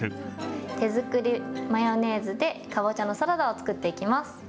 手作りマヨネーズでかぼちゃのサラダを作っていきます。